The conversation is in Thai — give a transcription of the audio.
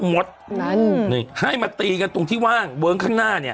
มดนั่นนี่ให้มาตีกันตรงที่ว่างเวิ้งข้างหน้าเนี่ย